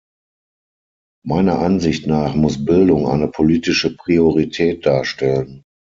Meiner Ansicht nach muss Bildung eine politische Priorität darstellen.